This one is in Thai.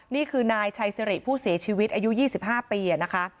นี่คือนายชัยสิริผู้เสียชีวิตอายุ๒๕ปีนะคะ